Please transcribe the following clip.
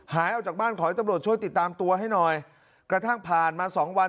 หายออกจากบ้านขอให้ตำรวจช่วยติดตามตัวให้หน่อยกระทั่งผ่านมาสองวัน